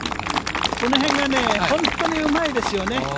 このへんが本当にうまいですよね。